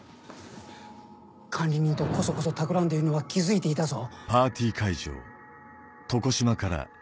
管理人とコソコソたくらんでいるのは気付いていたぞ。